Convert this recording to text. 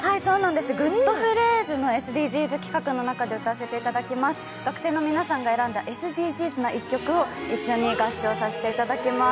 「グッとフレーズ」のＳＤＧｓ企画で歌いました学生の皆さんの選んだＳＤＧｓの１曲を一緒に合唱させていただきます。